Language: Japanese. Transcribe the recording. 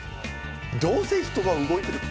どうせ人が動いてる。